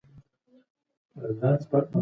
استغفار ویل رزق زیاتوي.